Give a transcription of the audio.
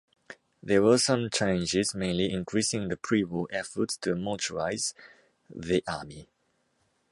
There were some changes, mainly increasing the pre-war efforts to motorise the Army.